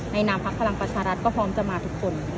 นามพักพลังประชารัฐก็พร้อมจะมาทุกคน